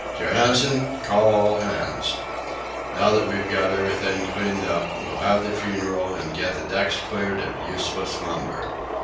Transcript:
"Johansen, call all hands. Now that we've everything cleaned up, we'll have the funeral and get the decks cleared of useless lumber."